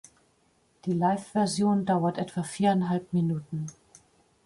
Die Live-Version dauert etwa viereinhalb Minuten.